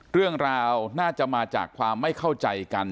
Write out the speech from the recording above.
เรื่องราวน่าจะมาจากความไม่เข้าใจกัน